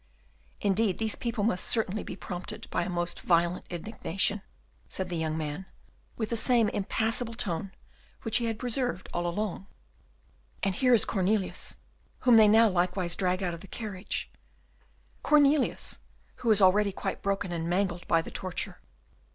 "Indeed, these people must certainly be prompted by a most violent indignation," said the young man, with the same impassible tone which he had preserved all along. "And here is Cornelius, whom they now likewise drag out of the carriage, Cornelius, who is already quite broken and mangled by the torture.